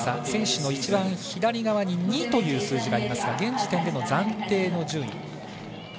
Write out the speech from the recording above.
選手の一番左側に２という数字がありますが現時点での暫定の順位。